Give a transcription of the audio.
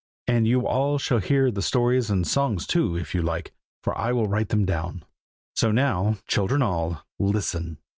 And you all shall hear the stories and songs too, if you like, for I will write them down. So now, children all, listen!